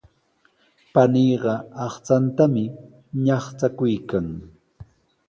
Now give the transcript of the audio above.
Paniiqa aqchantami ñaqchakuykan.